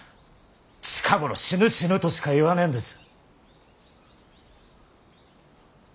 近頃死ぬ死ぬとしか言わねえんです。